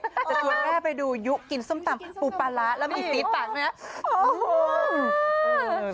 จะชวนแม่ไปดูยุกินส้มตำปูปลาร้าแล้วมีสีตังเนี่ย